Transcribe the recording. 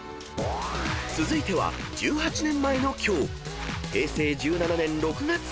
［続いては１８年前の今日］